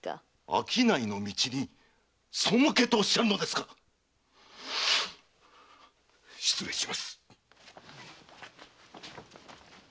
商いの道に背けとおっしゃるのですか⁉失礼します！